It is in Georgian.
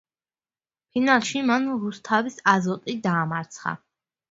ფინალში მან რუსთავის „აზოტი“ დაამარცხა.